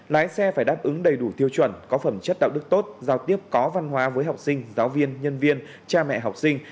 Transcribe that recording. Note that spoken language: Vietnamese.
lái xe phải đáp ứng đầy đủ tiêu chuẩn có phẩm chất đạo đức tốt giao tiếp có văn hóa với học sinh giáo viên nhân viên cha mẹ học sinh